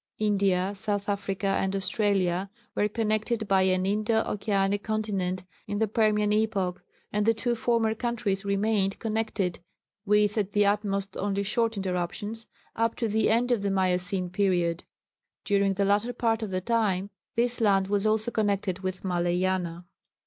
India, South Africa and Australia were connected by an Indo Oceanic Continent in the Permian epoch; and the two former countries remained connected (with at the utmost only short interruptions) up to the end of the Miocene period. During the latter part of the time this land was also connected with Malayana.